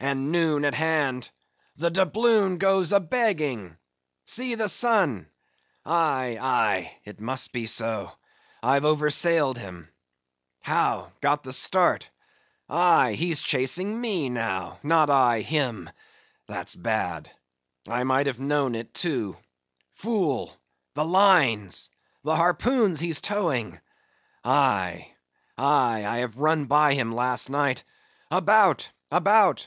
and noon at hand! The doubloon goes a begging! See the sun! Aye, aye, it must be so. I've oversailed him. How, got the start? Aye, he's chasing me now; not I, him—that's bad; I might have known it, too. Fool! the lines—the harpoons he's towing. Aye, aye, I have run him by last night. About! about!